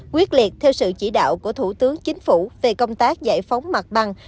quyết liệt theo sự chỉ đạo của thủ tướng chính phủ về công tác giải phóng mặt bằng